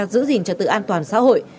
giữ gìn trật tự an toàn xã hội